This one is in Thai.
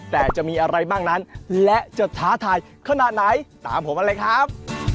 แต่จะมีอะไรบ้างนั้นและจะท้าทายขนาดไหนตามผมมาเลยครับ